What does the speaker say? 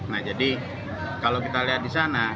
nah jadi kalau kita lihat di sana